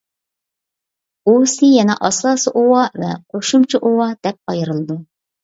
ئۇۋىسى يەنە ئاساسىي ئۇۋا ۋە قوشۇمچە ئۇۋا دەپ ئايرىلىدۇ.